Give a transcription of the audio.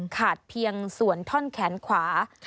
ขาดเพียงส่วนท่อนแขนขวา